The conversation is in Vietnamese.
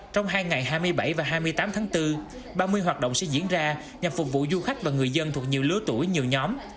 trong hai ngày hai mươi bảy và hai mươi tám tháng bốn ba mươi hoạt động sẽ diễn ra nhằm phục vụ du khách và người dân thuộc nhiều lứa tuổi nhiều nhóm